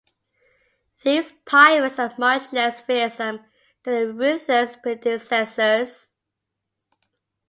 These pirates are much less fearsome than their ruthless predecessors.